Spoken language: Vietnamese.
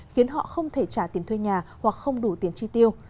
khiến họ không thể trả tiền thuê nhà hoặc không đủ tiền chi tiêu